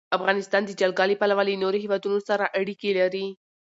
افغانستان د جلګه له پلوه له نورو هېوادونو سره اړیکې لري.